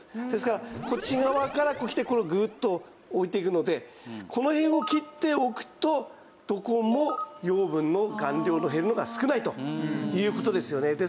ですからこっち側からきてグーッと置いていくのでこの辺を切っておくとどこも養分の含量の減るのが少ないという事ですよね。